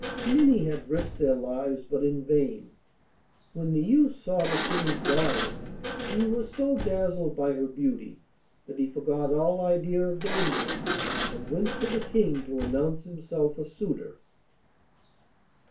Many had risked their lives, but in vain. When the youth saw the King's daughter, he was so dazzled by her beauty, that he forgot all idea of danger, and went to the King to announce himself a suitor.